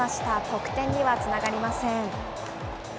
得点にはつながりません。